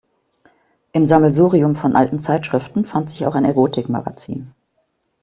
Im Sammelsurium von alten Zeitschriften fand sich auch ein Erotikmagazin.